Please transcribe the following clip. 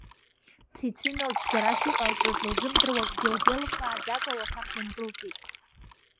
Цицина, цәгьарас иҟалҵаз лзымдыруа, акгьы лзеилымкааӡакәа ауаҭах дындәылҵит.